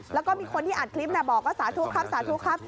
แล้วก็มีคนที่อัดคลิปบอกว่าสาธุครับสาธุครับ